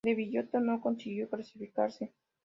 De Villota no consiguió clasificarse.